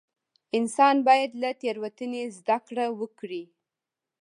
انسان باید له تېروتنې زده کړه وکړي.